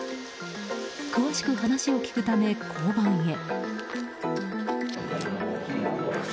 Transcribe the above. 詳しく話を聞くため交番へ。